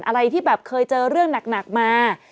อะไรที่แบบเคยเจอเรื่องหนักมา